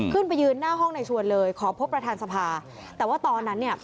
ขึ้นไปยืนหน้าห้องในชวนเลยขอพบประธานสภาแต่ว่าตอนนั้นเนี่ย